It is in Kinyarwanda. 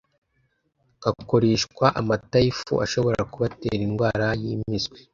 nk’akoreshwa amata y’ifu ashobora kubatera indwara y’impiswi